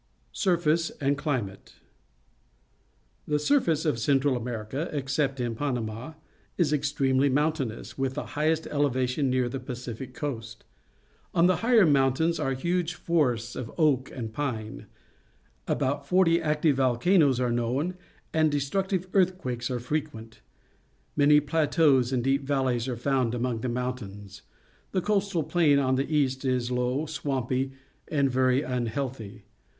Surface and Climate. — The surface of Central America, except in Panama, is extremely mountainous, ^\•ith the highest elevation near the Pacific coast. On the higher mountains are huge forests of oak and pine. About fort} active volcanoes are known, and destructive earthquakes are frequent. Many plateaus and deep valleys are found among the mountains. The coastal plain on the east is low, swampy, and very unhealthy.